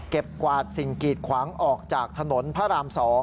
กวาดสิ่งกีดขวางออกจากถนนพระราม๒